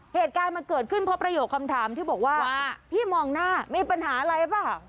เหตุการณ์มันเกิดขึ้นเพราะประโยคคำถามที่บอกว่าพี่มองหน้ามีปัญหาอะไรหรือเปล่า